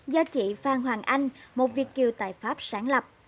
do chị phan hoàng anh một việt kiều tại pháp sáng lập